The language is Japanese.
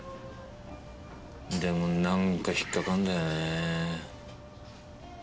でも何か引っかかるんだよねぇ。